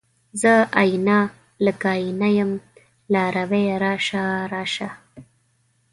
زه آئينه، لکه آئینه یم لارویه راشه، راشه